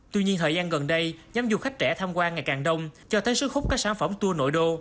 tuy nhiên thời gian gần đây nhóm du khách trẻ tham quan ngày càng đông cho thấy sức hút các sản phẩm tour nội đô